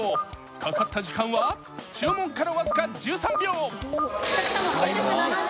かかった時間は注文から僅か１３秒。